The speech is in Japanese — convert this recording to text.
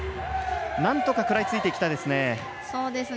なんとか食らいついていきたいですね。